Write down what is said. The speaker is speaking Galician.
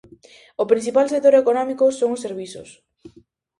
O principal sector económico son os servizos.